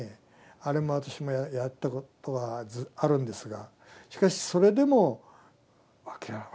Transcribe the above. あれも私もやったことはあるんですがしかしそれでも訳が分からない。